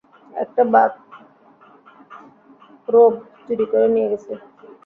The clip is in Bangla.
একটা বাথরোব চুরি করে নিয়ে গেছে।